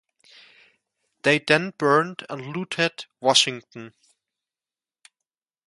They then burned and looted Washington.